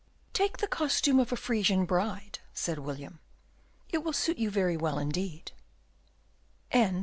"Take the costume of a Frisian bride." said William; "it will suit you very well indeed."